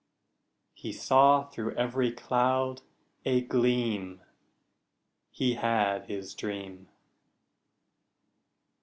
He saw through every cloud a gleam He had his dream.